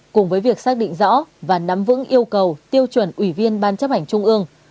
cùng với việc xác định rõ và nắm vững yêu cầu tiêu chuẩn ủy viên ban chấp hành trung ương